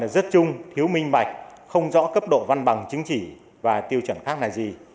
rất chung thiếu minh bạch không rõ cấp độ văn bằng chứng chỉ và tiêu chuẩn khác là gì